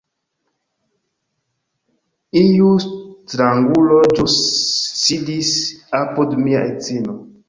Iu strangulo ĵus sidis apud mia edzino